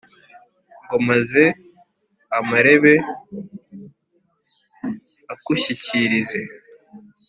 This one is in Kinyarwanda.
Ngo maze amarebe akunshyikirize.